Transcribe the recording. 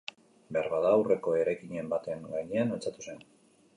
Beharbada aurreko eraikinen baten gainean altxatu zen.